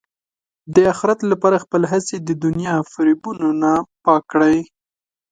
د اخرت لپاره خپلې هڅې د دنیا فریبونو نه پاک کړئ.